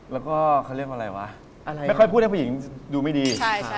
แล้วก็เค้าเรียกว่าอะไรวะแท๑๑๒๑ไม่ค่อยคุยให้ผู้หญิงชักดูไม่ดี